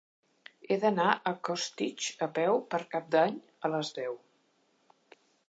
He d'anar a Costitx a peu per Cap d'Any a les deu.